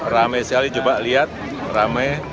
rame sekali coba lihat rame